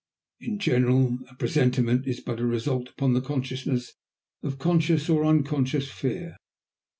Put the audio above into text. In general, a presentiment is but the result upon the consciousness of conscious or unconscious fear.